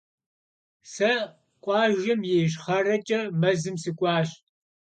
Se khuajjem yi yişxhereç'e mezım sık'uaş.